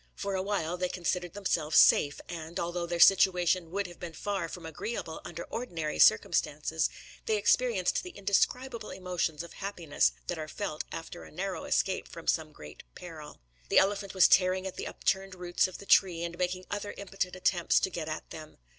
For a while, they considered themselves safe; and, although their situation would have been far from agreeable under ordinary circumstances, they experienced the indescribable emotions of happiness that are felt after a narrow escape from some great peril. The elephant was tearing at the upturned roots of the tree, and making other impotent attempts to get at them.